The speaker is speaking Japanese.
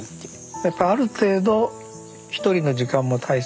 やっぱある程度ひとりの時間も大切だから。